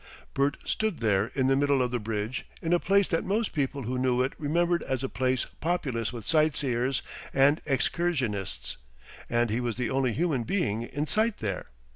Bert stood there in the middle of the bridge, in a place that most people who knew it remembered as a place populous with sightseers and excursionists, and he was the only human being in sight there.